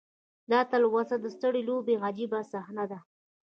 دا تلوسه د سترې لوبې عجیبه صحنه ده.